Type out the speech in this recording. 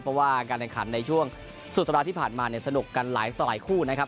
เพราะว่าการแข่งขันในช่วงสุดสัปดาห์ที่ผ่านมาเนี่ยสนุกกันหลายต่อหลายคู่นะครับ